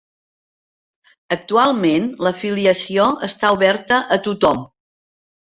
Actualment l'afiliació està oberta a tothom.